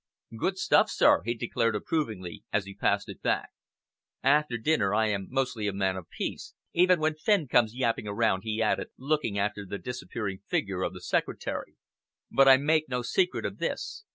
"Good stuff, sir," he declared approvingly, as he passed it back. "After dinner I am mostly a man of peace even when Fenn comes yapping around," he added, looking after the disappearing figure of the secretary. "But I make no secret of this.